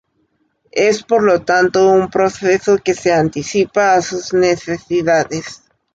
Es por lo tanto un proceso que se anticipa a sus necesidades.